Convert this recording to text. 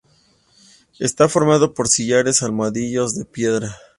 Está formado por sillares almohadillados de piedra.